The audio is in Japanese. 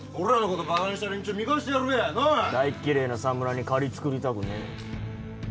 大っ嫌えな侍に借り作りたくねえ。